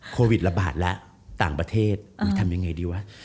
โควิดระบาดแล้วต่างประเทศมันทำยังไงดีวะ